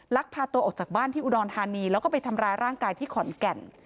พาตัวออกจากบ้านที่อุดรธานีแล้วก็ไปทำร้ายร่างกายที่ขอนแก่น